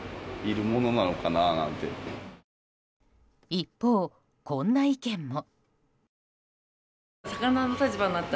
一方、こんな意見も。